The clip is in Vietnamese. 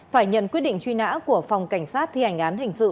phải nhận quyết định truy nã của phòng cảnh sát thi hành án hình sự